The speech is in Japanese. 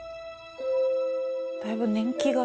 だいぶ年季が。